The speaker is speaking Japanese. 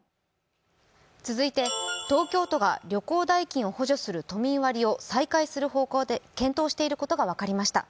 続いて、東京都が旅行代金を補助する都民割を再開する方向で検討していることが分かりました。